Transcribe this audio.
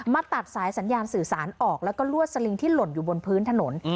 ตัดสายสัญญาณสื่อสารออกแล้วก็ลวดสลิงที่หล่นอยู่บนพื้นถนน